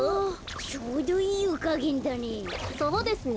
ちょうどいいゆかげんだね。